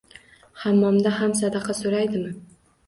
Hammomda ham sadaqa so’raydimi?